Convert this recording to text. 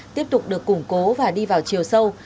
tiếp tục được củng cố và đi vào chiều sâu